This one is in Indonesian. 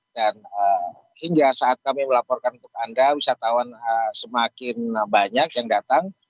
dan hingga saat kami melaporkan untuk anda wisatawan semakin banyak yang datang